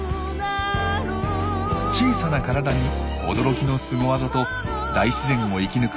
小さな体に驚きのスゴ技と大自然を生き抜く